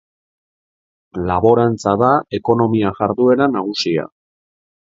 Laborantza da ekonomia jarduera nagusia.